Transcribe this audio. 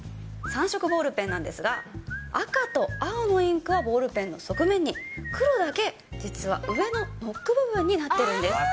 ３色ボールペンなんですが、赤と青のインクは、ボールペンの側面に、黒だけ実は、上のノック部分になっているんです。